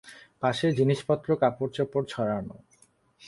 পাশে জিনিসপত্র কাপড়চোপড় ছড়ানো।